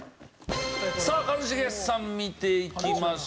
さあ一茂さん見ていきましょう。